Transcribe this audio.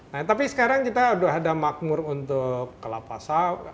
nah tapi sekarang kita sudah ada makmur untuk kelapa saw